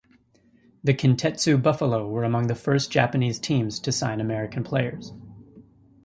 The Kintetsu Buffalo were among the first Japanese teams to sign American players.